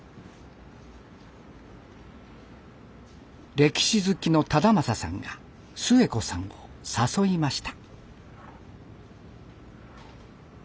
歴史好きの忠正さんがすゑ子さんを誘いました。